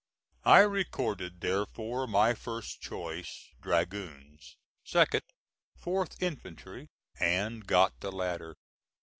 I recorded therefore my first choice, dragoons; second, 4th infantry; and got the latter.